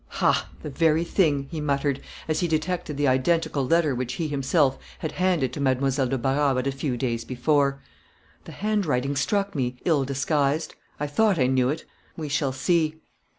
"Ha! the very thing," he muttered, as he detected the identical letter which he himself had handed to Mademoiselle de Barras but a few days before. "The handwriting struck me, ill disguised; I thought I knew it; we shall see."